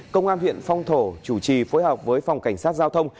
công an huyện phong thổ chủ trì phối hợp với phòng cảnh sát giao thông